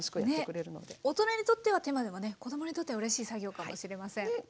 ねっ大人にとっては手間でもね子どもにとってはうれしい作業かもしれません。